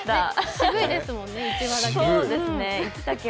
渋いですもんね、一羽だけ。